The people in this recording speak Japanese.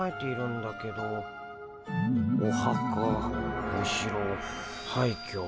おはかおしろはいきょ